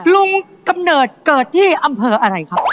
กำเนิดเกิดที่อำเภออะไรครับ